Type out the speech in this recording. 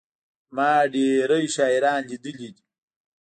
ما ډېري شاعران لېدلي دي.